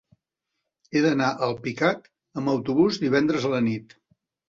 He d'anar a Alpicat amb autobús divendres a la nit.